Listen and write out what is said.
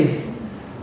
kết quả mà